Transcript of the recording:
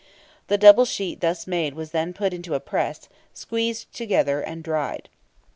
The double sheet thus made was then put into a press, squeezed together, and dried.